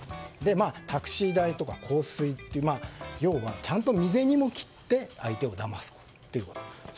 タクシー代とか香水という要はちゃんと身銭も切って相手をだますということですね。